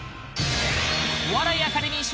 お笑いアカデミー賞